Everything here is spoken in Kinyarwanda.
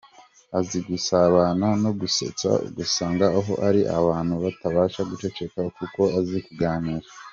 Azi gusabana no gusetsa usanga aho ari abantu batabasha guceceka kuko azi kuganira .